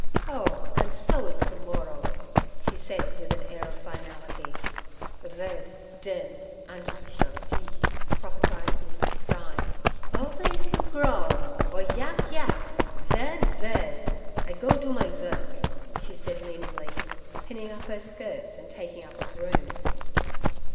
'Oh, ant so is to morror' she said with an air of finality. 'Vaid, den, ant ve shall see' prophesied Mr. Stein. 'Alvays you growel, or yap yap "Vaid—vaid." I go do my vork' she said meaningly, pinning up her skirts and taking up a broom.